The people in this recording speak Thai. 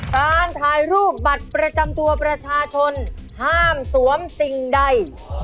การถ่ายรูปบัตรประจำตัวประชาชนห้ามสวมสิ่งใด